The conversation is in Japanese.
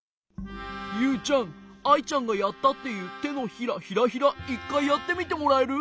ユウちゃんアイちゃんがやったっていうてのひらヒラヒラ１かいやってみてもらえる？